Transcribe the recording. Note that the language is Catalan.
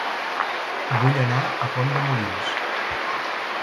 Vull anar a Pont de Molins